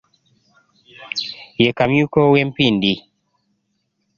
Ye Kamyuka ow'e Mpindi.